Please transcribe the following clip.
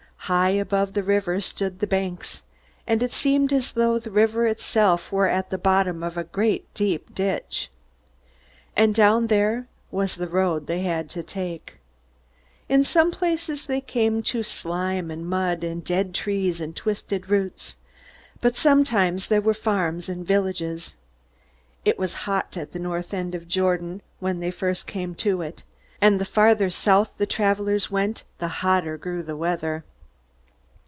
High above the river stood the banks, and it seemed as though the river itself were at the bottom of a great, deep ditch. And down there was the road they had to take. In some places they came to slime and mud, and dead trees and twisted roots. But sometimes there were farms and villages. It was hot at the north end of the Jordan, when first they came to it; and the farther south the travelers went, the hotter grew the weather.